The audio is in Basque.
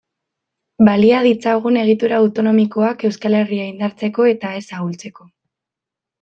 Balia ditzagun egitura autonomikoak Euskal Herria indartzeko eta ez ahultzeko.